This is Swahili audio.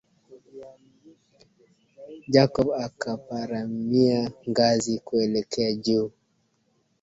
Jacob akaparamia ngazi kuelekea juu